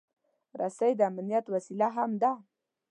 رسۍ د امنیت وسیله هم ده.